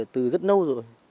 từ rất lâu rồi